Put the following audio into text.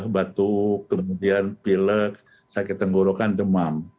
batuk kemudian pilek sakit tenggorokan demam